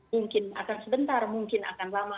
mungkin akan sebentar mungkin akan lama